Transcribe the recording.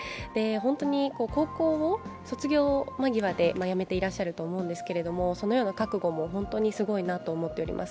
本当に、高校を卒業間際でやめてらっしゃると思うんですけどそのような覚悟も本当にすごいなと思っております。